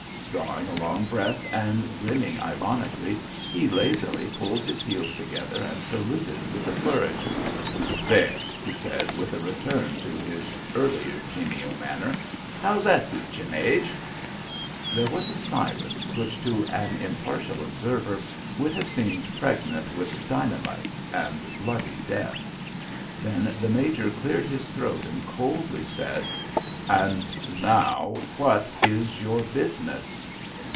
Drawing a long breath and grinning ironically, he lazily pulled his heels together and saluted with a flourish. "There," he said, with a return to his earlier genial manner. "How's that suit ye, Maje?" There was a silence which to an impartial observer would have seemed pregnant with dynamite and bloody death. Then the major cleared his throat and coldly said: "And now, what is your business?"